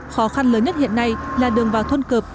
khó khăn lớn nhất hiện nay là đường vào thôn cợp